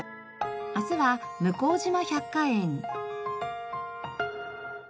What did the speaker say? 明日は向島百花園。